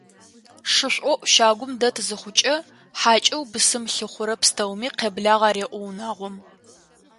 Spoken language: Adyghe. Шышӏоӏу щагум дэт зыхъукӏэ, хьакӏэу бысым лъыхъурэ пстэуми «къеблагъ» ареӏо унагъом.